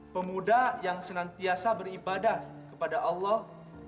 pemuda yang senantiasa beribadah kepada allah